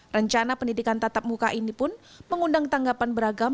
rencana pendidikan tatap muka ini pun mengundang tanggapan beragam